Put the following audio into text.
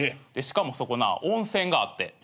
しかもそこな温泉があって。